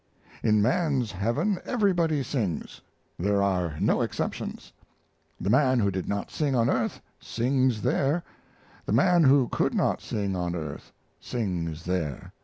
In man's heaven everybody sings. There are no exceptions. The man who did not sing on earth sings there; the man who could not sing on earth sings there.